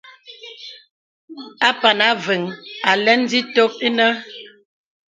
Apàn Avə̄ŋ alɛ̄n zitok inə̀.